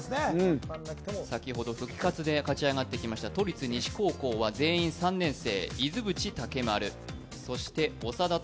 先ほど復活で勝ち上がってきました都立西高等学校は全員３年生。